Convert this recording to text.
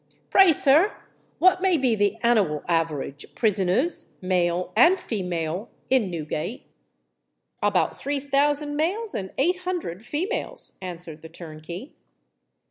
Pray, sir, what may be the anniwal average of prisoners, male and female, in Newgate?" "About three thousand males and eight hundred females," answered the turnkey.